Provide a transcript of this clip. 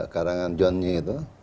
kadangan johnnya itu